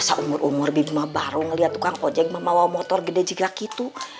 saya umur umur baru melihat tukang ojeng memakai motor besar begitu